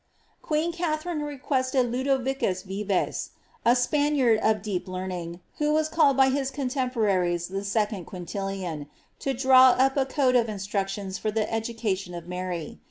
Queen Katharine requested Ludovicus Vives, a Spaniard of deep learn ing, who was called by his contemporaries the second Qjuintilian, to dnw up a code of instructions for the education of Mary.